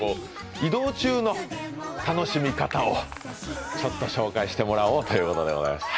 移動中の楽しみ方を紹介してもらおうということでございます。